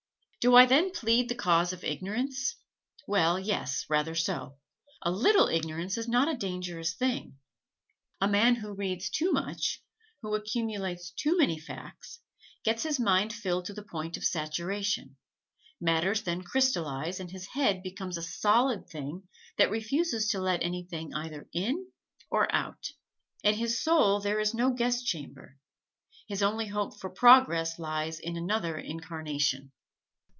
Do I then plead the cause of ignorance? Well, yes, rather so. A little ignorance is not a dangerous thing. A man who reads too much who accumulates too many facts gets his mind filled to the point of saturation; matters then crystallize and his head becomes a solid thing that refuses to let anything either in or out. In his soul there is no guest chamber. His only hope for progress lies in another incarnation.